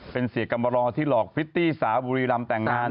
เป็นเสียกรรมรอที่หลอกพริตตี้สาวบุรีรำแต่งงาน